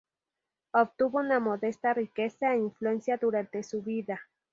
Obtuvo una modesta riqueza e influencia durante su vida.